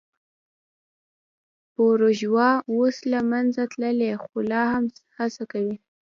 بورژوا اوس له منځه تللې خو لا هم هڅه کوي.